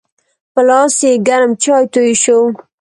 په لاس یې ګرم چای توی شو.